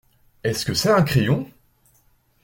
Est-ce que c’est un crayon ?